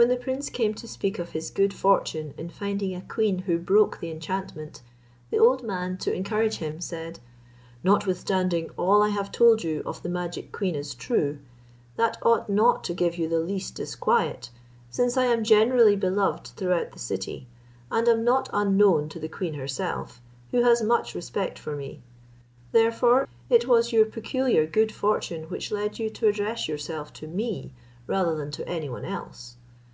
When the prince came to speak of his good fortune in finding a queen who broke the enchantment, the old man to encourage him said, "Notwithstanding all I have told you of the magic queen is true, that ought not to give you the least disquiet, since I am generally beloved throughout the city, and am not unknown to the queen herself, who has much respect for me; therefore it was your peculiar good fortune which led you to address yourself to me rather than to anyone else.